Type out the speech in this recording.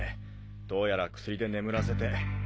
どうやら薬で眠らせて。